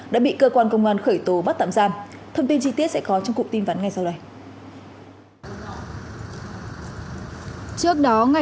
đã bị cơ quan công an khởi tố bắt tạm giam thông tin chi tiết sẽ có trong cụm tin vắn ngay sau đây